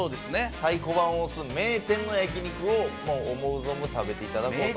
太鼓判を押す名店の焼肉をもう思う存分食べていただこうと。